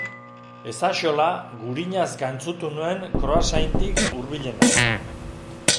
Ezaxola, gurinaz gantzutu nuen croissantik hurbilena.